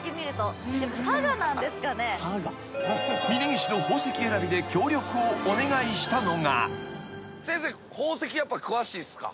［峯岸の宝石選びで協力をお願いしたのが］